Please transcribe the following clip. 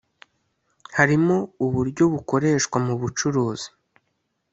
harimo uburyo bukoreshwa mu bucuruzi